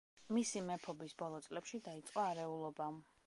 მისი მეფობის ბოლო წლებში დაიწყო არეულობა.